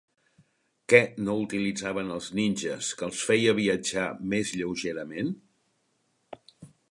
Què no utilitzaven els ninges que els feia viatjar més lleugerament?